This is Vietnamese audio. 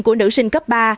của nữ sinh cấp ba